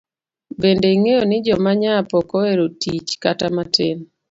Bende ingeyo ni joma nyap ok oero tich kata matin.